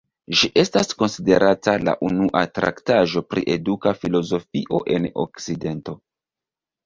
Ĝi estas konsiderata la unua traktaĵo pri eduka filozofio en Okcidento.